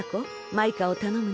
マイカをたのむね。